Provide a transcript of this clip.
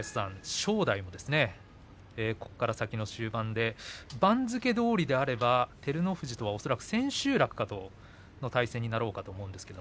正代をここから先の終盤で番付どおりであれば照ノ富士と恐らく千秋楽での対戦となると思います。